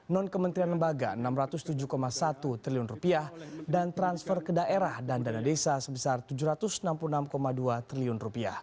non kementerian lembaga rp enam ratus tujuh satu triliun dan transfer ke daerah dan dana desa sebesar rp tujuh ratus enam puluh enam dua triliun